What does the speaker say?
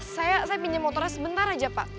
saya pinjam motornya sebentar aja pak